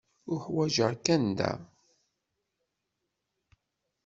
Uḥwaǧeɣ-ken da.